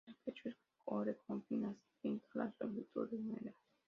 El pecho es ocre con finas pintas longitudinales negras.